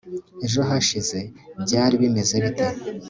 ejo hashize byari bimeze bite